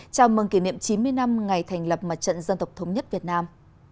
chào mừng kỷ niệm chín mươi năm ngày thành lập mặt trận dân tộc thống nhất việt nam